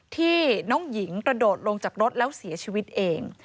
ที่น้องหญิงกระโดดลงจากรถแล้วเสียชีวิตเอง